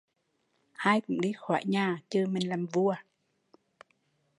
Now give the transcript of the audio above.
Ai cũng đi khỏi nhà, chừ mình làm vua